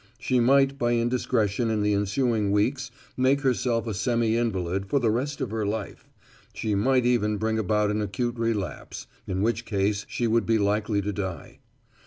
She might by indiscretion in the ensuing weeks make herself a semi invalid for the rest of her life; she might even bring about an acute relapse, in which case she would be likely to die.